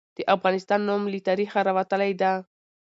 د افغانستان نوم له تاریخه راوتلي ده.